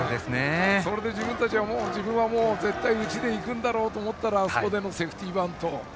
それで自分はもう打ちに行くんだろうと思ったらあそこでセーフティーバント。